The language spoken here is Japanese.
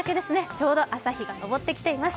ちょうど朝日が昇ってきています。